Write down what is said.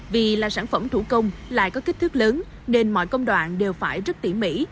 vì là sản phẩm thủ công lại có kích thước lớn nên mọi công đoạn đều phải rất tỉ mỉ